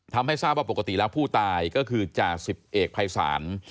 ทำให้ทราบว่าปกติแล้วผู้ตายก็คือจ่าสิบเอกภัยศาล